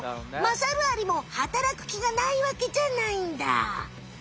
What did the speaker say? まさるアリも働くきがないわけじゃないんだ！